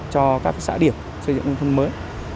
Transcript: cho các xã điểm xây dựng nông thuân mới